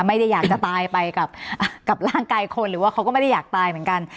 ไม่ได้อยากจะตายไปกับร่างกายคนหรือว่าเขาก็ไม่ได้อยากตายเหมือนกัน